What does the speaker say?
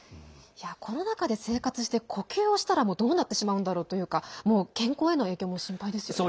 この中で生活して呼吸したらどうなってしまうんだろうというか健康への影響も心配ですよね。